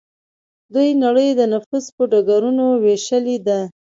دوی نړۍ د نفوذ په ډګرونو ویشلې ده